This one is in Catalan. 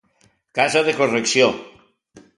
Casa de correcció.